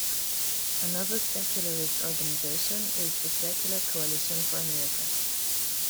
Another secularist organization is the Secular Coalition for America.